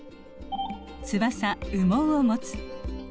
「翼・羽毛をもつ」。